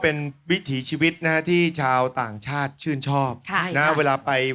พ่อจ้าแม่จ้านนอกจากเชียร์แล้ว